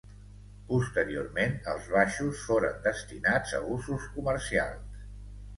Posteriorment els baixos foren destinats a usos comercials.